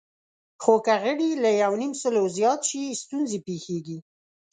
خو که غړي له یونیمسلو زیات شي، ستونزې پېښېږي.